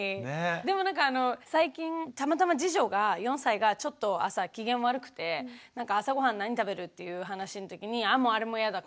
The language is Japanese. でもなんか最近たまたま次女が４歳がちょっと朝機嫌悪くて朝ごはん何食べる？っていう話のときにあもうあれも嫌だ